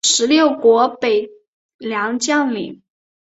十六国北凉将领。